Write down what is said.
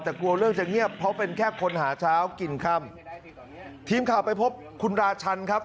แต่กลัวเรื่องจะเงียบเพราะเป็นแค่คนหาเช้ากินค่ำทีมข่าวไปพบคุณราชันครับ